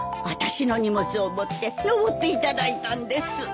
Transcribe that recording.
私の荷物を持って上っていただいたんです。